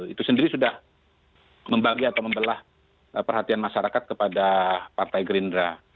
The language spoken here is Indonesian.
itu sendiri sudah membagi atau membelah perhatian masyarakat kepada partai gerindra